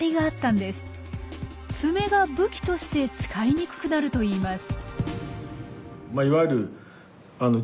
ツメが武器として使いにくくなるといいます。